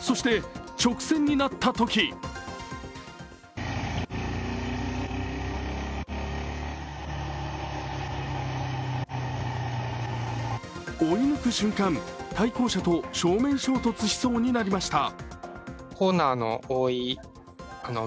そして、直線になったとき追い抜く瞬間、対向車と正面衝突しそうになりました。